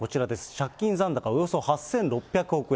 借金残高およそ８６００億円。